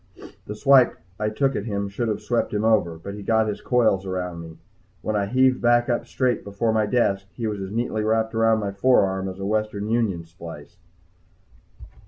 The swipe I took at him should have swept him over, but he got his coils around me. When I heaved back up straight before my desk, he was as neatly wrapped around my forearm as a Western Union splice.